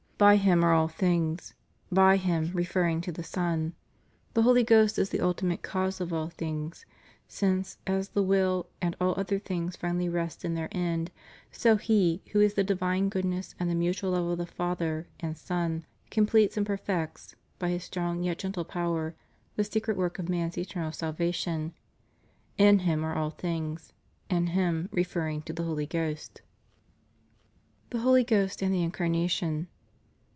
"By Him are all things," by Him referring to the Son. The Holy Ghost is the ultimate cause of all things, since, as the will and all other things finally rest in their end, so He, who is the divine goodness and the mutual love of the Father and Son, completes and perfects, by His strong yet gentle power, the secret work of man's eternal salvation. "In Him are all things," in Him referring to the Holy Ghost. THE HOLY GHOST AND THE INCARNATION.